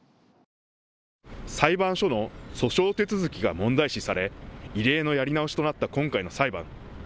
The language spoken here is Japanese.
裁判所の訴訟手続きが問題視され異例のやり直しとなった今回の裁判。